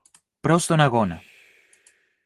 Προς τον αγώνα